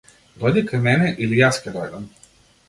Дојди кај мене или јас ќе дојдам.